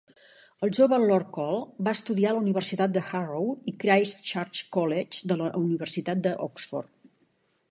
El jove Lord Cole va estudiar a la Universitat de Harrow i al Christ Church College de la Universitat d'Oxford.